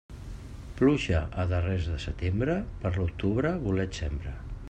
Pluja a darrers de setembre, per l'octubre bolets sembra.